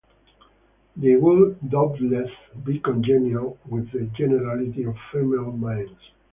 They would doubtless be congenial with the generality of female minds.